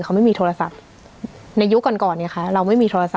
เขาไม่มีโทรศัพท์ในยุคก่อนก่อนเนี่ยค่ะเราไม่มีโทรศัพ